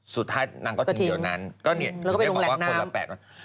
สุดท้ายนางก็ถึงเดี๋ยวนั้นแล้วก็ไปตรงแหลกน้ำ